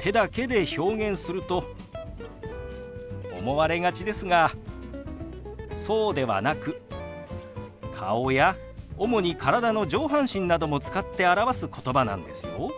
手だけで表現すると思われがちですがそうではなく顔や主に体の上半身なども使って表すことばなんですよ。